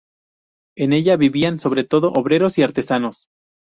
En ella vivían sobre todo obreros y artesanos.